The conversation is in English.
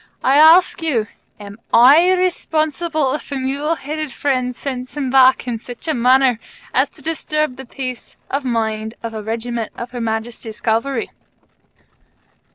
I ask you, AM I responsible if a mule headed friend sends him back in such a manner as to disturb the peace of mind of a regiment of Her Majesty's Cavalry?"